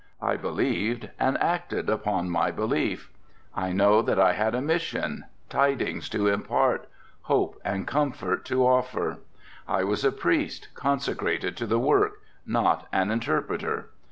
I believed and acted upon my belief. I know that I had a mission, tidings to impart, hope and comfort to offer. I was a priest consecrated to the work, not an interpreter.